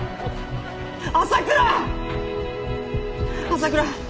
朝倉！